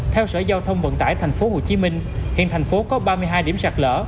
theo sở giao thông vận tải tp hcm hiện thành phố có ba mươi hai điểm sạt lỡ